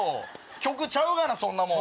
曲ちゃうがなそんなもん。